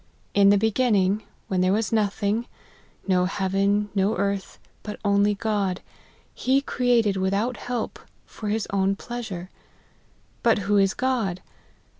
In the beginning, when there was nothing, no heaven, no earth, but only God, he created without help, for his own pleasure. But who is God